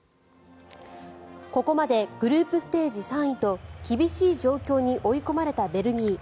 ここまでグループステージ３位と厳しい状況に追い込まれたベルギー。